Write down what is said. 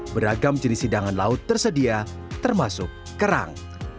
beragam jenis hidangan laut tersedia termasuk kerang